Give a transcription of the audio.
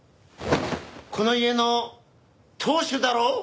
この家の当主だろ？